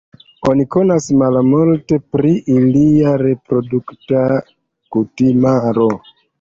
Oni konas malmulte pri ilia reprodukta kutimaro.